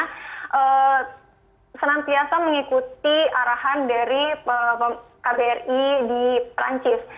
kita senantiasa mengikuti arahan dari kbri di perancis